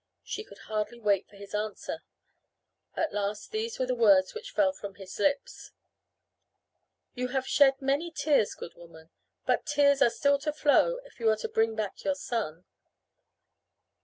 She could hardly wait for his answer. At last these were the words which fell from his lips: "You have shed many tears, good woman, but tears are still to flow if you are to bring back your son."